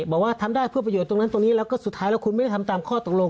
บอกว่าทำได้เพื่อประโยชน์ตรงนั้นตรงนี้และก็สุดท้ายคนไม่ทำตามข้อตรงลง